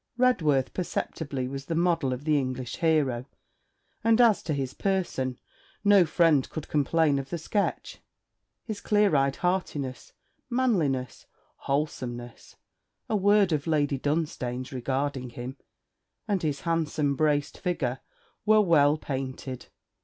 Redworth perceptibly was the model of the English hero; and as to his person, no friend could complain of the sketch; his clear eyed heartiness, manliness, wholesomeness a word of Lady Dunstane's regarding him, and his handsome braced figure, were well painted.